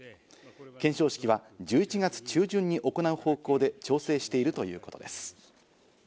顕彰式は１１月中旬に行う方向で調整しているということです。